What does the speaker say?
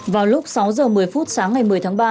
vào lúc sáu giờ một mươi phút sáng ngày một mươi tháng ba